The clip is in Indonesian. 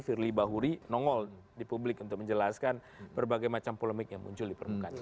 firly bahuri nongol di publik untuk menjelaskan berbagai macam polemik yang muncul di permukaan